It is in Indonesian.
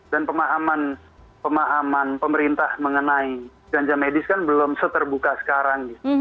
dan pemahaman pemerintah mengenai ganja medis kan belum seterbuka sekarang